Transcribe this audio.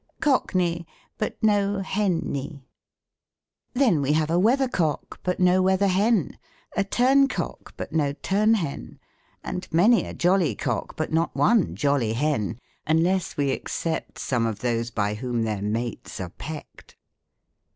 Cock ney, but no Hen ney. Then we have a weather cock, but no weather hen , a turn cock, but no turn hen ; and many a jolly cock, but not one jolly hen ; unless we except some of those by whom their mates are pecked.